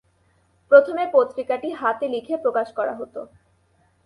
প্রথমে পত্রিকাটি হাতে লিখে প্রকাশ করা হত।